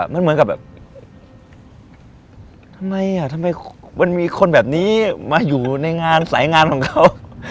มันเหมือนกับแบบทำไมอ่ะทำไมมันมีคนแบบนี้มาอยู่ในงานสายงานของเขา